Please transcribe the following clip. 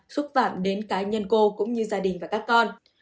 xúc phạm đến cá nhân cô cũng như gia đình và các con